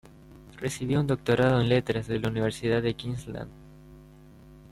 Recibió un doctorado en letras de la Universidad de Queensland.